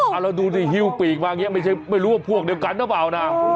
เอาแล้วดูที่ฮิวปีกมาอย่างเงี้ยไม่ใช่ไม่รู้ว่าพวกเดียวกันก็เปล่าน่ะ